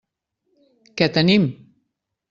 Què tenim?